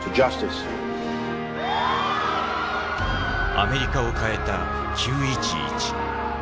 アメリカを変えた９．１１。